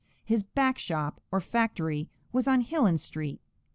His "back shop," or factory, was on Hillen street.